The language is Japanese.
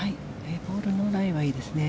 ボールのライはいいですね。